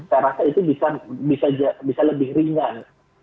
saya rasa itu bisa lebih ringan